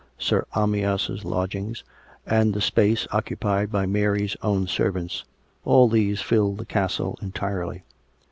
Sir Arayas' lodgings, and the space occupied by Mary's own servants — all these filled the castle entirely.